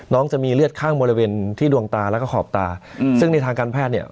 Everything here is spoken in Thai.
จะมีเลือดข้างบริเวณที่ดวงตาแล้วก็ขอบตาอืมซึ่งในทางการแพทย์เนี่ย